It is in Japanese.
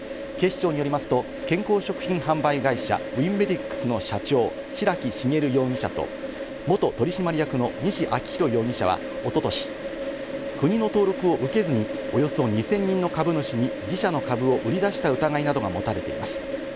警視庁によりますと、健康食品販売会社ウィンメディックスの社長・白木茂容疑者と元取締役の西昭洋容疑者は一昨年、国の登録を受けずに、およそ２０００人の株主に自社の株を売り出した疑いなどが持たれています。